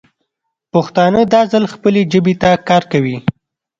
پښتانه دا ځل خپلې ژبې ته کار کوي.